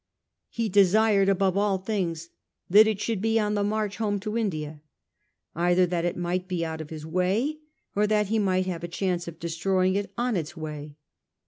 He desired above all things that it should be on the march home to India ; either that it might be out of his way, or that he might have a chance of destroy ing it on its way.